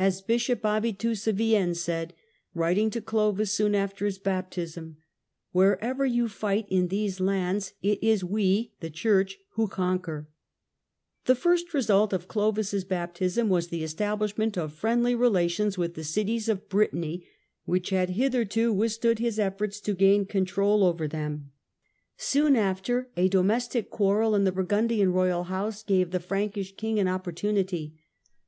As Bishop Avitus of Vienne said, writing to Clovis soon after his baptism :" Wherever you fight in these lands, it is we (the Church) who conquer ". struggles The first result of Clovis' baptism was the establish! Jnndy *" ment of friendly relations with the cities of Brittany, which had hitherto withstood his efforts to gain control THE RISE OF THE FRANKS 45 over them. Soon after, a domestic quarrel in the Burgundian royal house gave the Frankish King an opportunity.